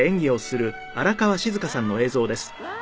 わあ。